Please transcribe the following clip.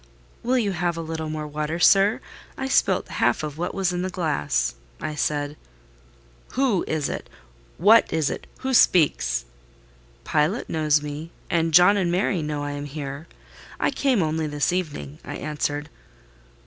"Will you have a little more water, sir? I spilt half of what was in the glass," I said. "Who is it? What is it? Who speaks?" "Pilot knows me, and John and Mary know I am here. I came only this evening," I answered.